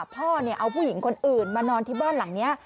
พ่อเอาผู้หญิงคนอื่นมานอนที่บ้านหลังนี้